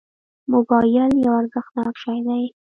موبایل یو ارزښتناک شی دی.